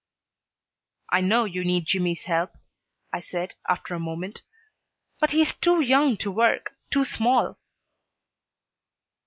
"I know you need Jimmy's help," I said, after a moment, "but he is too young to work, too small."